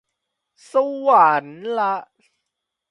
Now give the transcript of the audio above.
สวรรค์